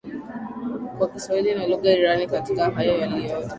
kwa Kiswahili na lugha irani katika hayo yaliyota